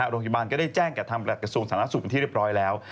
โรงพยาบาลก็ได้แจ้งกับทางบริษัทกระทรวงสถานศึกษ์บันที่เรียบร้อยแล้ว